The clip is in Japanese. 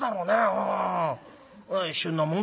うん。